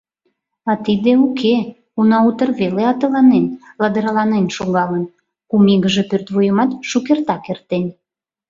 А тиде — уке, уна, утыр веле атыланен, ладыраланен шогалын, кум игыже пӧртвуйымат шукертак эртен.